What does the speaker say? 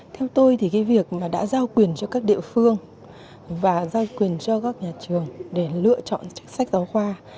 theo tôi thì cái việc mà đã giao quyền cho các địa phương và giao quyền cho các nhà trường để lựa chọn sách giáo khoa